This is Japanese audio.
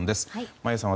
眞家さん